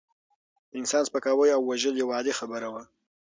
د انسان سپکاوی او وژل یوه عادي خبره وه.